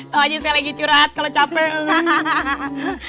tau aja saya lagi curhat kalau capek